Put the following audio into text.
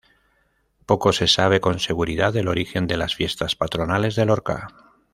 Poco se sabe con seguridad del origen de las Fiestas Patronales de Lorca.